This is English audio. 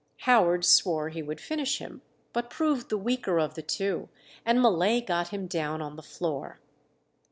Howard swore he would finish him, but proved the weaker of the two, and Mullay got him down on the floor.